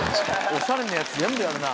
おしゃれなやつ全部やるな。